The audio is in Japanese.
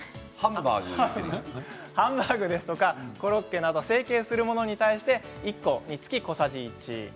ハンバーグやコロッケなど成形するものに対して１個につき小さじ１。